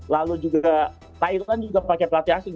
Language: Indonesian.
lalu juga thailand juga pakai pelatih asing